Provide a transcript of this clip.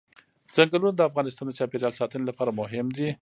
ځنګلونه د افغانستان د چاپیریال ساتنې لپاره مهم دي.